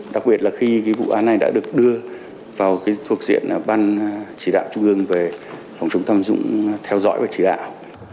đặc biệt là khi cái vụ án này đã được đưa vào cái thuộc diện băn chỉ đạo trung ương về phòng chống tham dụng theo dõi và chỉ đạo